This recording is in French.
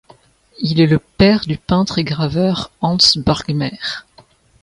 Il est le père du peintre et graveur Hans Burgkmair.